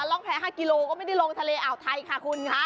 ร่องแพ้๕กิโลก็ไม่ได้ลงทะเลอ่าวไทยค่ะคุณค่ะ